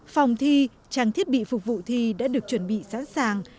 phòng thi trang thiết bị phục vụ thi đã được chuẩn bị sẵn sàng